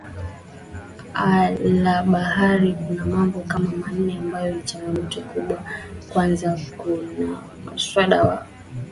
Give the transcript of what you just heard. la habari kuna mambo kama manne ambayo ni changamoto kubwa Kwanza kuna Muswada wa